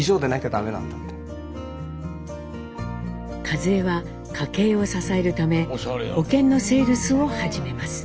和江は家計を支えるため保険のセールスを始めます。